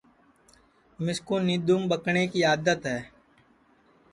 مِسکُو نینٚدُؔوم ٻکٹؔیں کی آدت ہے